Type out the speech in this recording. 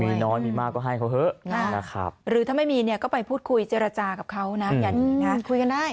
มีน้อยมีมากก็ให้เขาเถอะนะครับหรือถ้าไม่มีเนี่ยก็ไปพูดคุยเจรจากับเขานะอย่าดีนะคุยกันได้